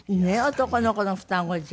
男の子の双子じゃ。